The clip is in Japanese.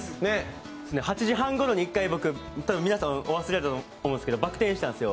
８時半ごろに僕、皆さんお忘れかもしれないんですけど、バク転したんですよ。